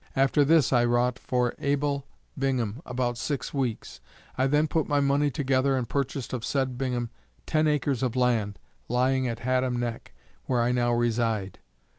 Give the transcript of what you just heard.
After this I wrought for Abel Bingham about six weeks. I then put my money together and purchased of said Bingham ten acres of land, lying at Haddam neck, where I now reside.